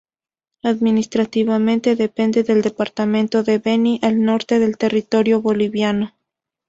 Administrativamente depende del Departamento de Beni, al norte del territorio boliviano.